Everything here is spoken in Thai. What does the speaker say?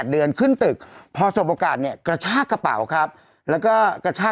เดือนขึ้นตึกพอสมโอกาสเนี่ยกระชากกระเป๋าครับแล้วก็กระชาก